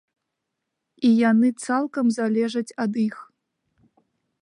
І яны цалкам залежаць ад іх.